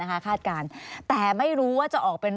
สวัสดีครับทุกคน